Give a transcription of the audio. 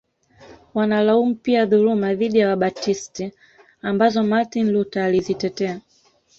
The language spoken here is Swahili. Wanalaumu pia dhuluma dhidi ya Wabatisti ambazo Martin Luther alizitetea